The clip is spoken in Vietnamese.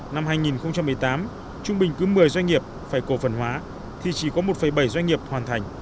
năm hai nghìn một mươi tám trung bình cứ một mươi doanh nghiệp phải cổ phần hóa thì chỉ có một bảy doanh nghiệp hoàn thành